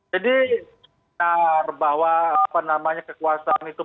jadi benar bahwa apa namanya kekuasaan itu